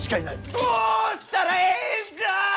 どうしたらええんじゃあ！